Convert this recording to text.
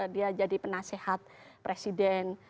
dia jadi penasehat presiden